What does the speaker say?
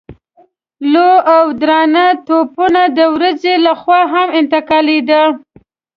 لوی او درانه توپونه د ورځې له خوا هم انتقالېدل.